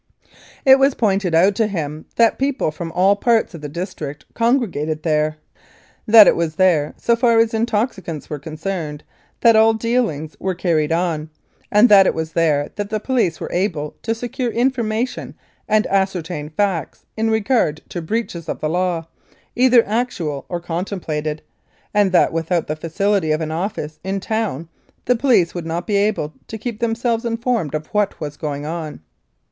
It was pointed out to him that people from all parts of the district congregated there; that it was there, so far as intoxicants were concerned, that all dealings were car ried on, and that it was there that the police were able to secure information and ascertain facts in regard to breaches of the law (either actual or contemplated), and that without the facility of an office in town the police would not be able to keep themselves informed of what was going on.